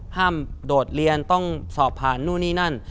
โดดเรียนต้องสอบผ่านนู่นนี่นั่น